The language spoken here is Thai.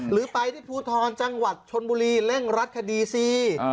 หรือไปที่ภูทรจังหวัดชนบุรีเร่งรัดคดีสิ